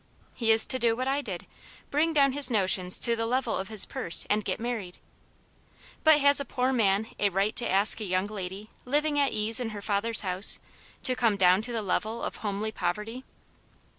" He is to do what I did. Bring down his notions to the level of his purse, and get married." "But has a poor man a right to ask a young lady, living at ease in her father's house, to come down to the level of homely poverty